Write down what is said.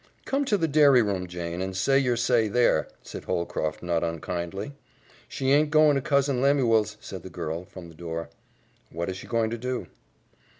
"Come to the dairy room, Jane, and say your say there," said Holcroft not unkindly. "She aint goin' to Cousin Lemuel's," said the girl, from the door. "What is she going to do."